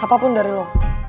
apapun dari lo